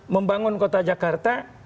membangun kota jakarta